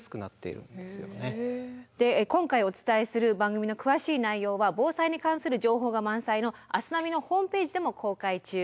で今回お伝えする番組の詳しい内容は防災に関する情報が満載の「明日ナビ」のホームページでも公開中です。